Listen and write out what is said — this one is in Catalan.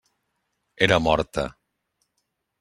Era morta.